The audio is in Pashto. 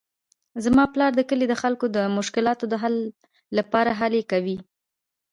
زما پلار د کلي د خلکو د مشکلاتو د حل لپاره هلې کوي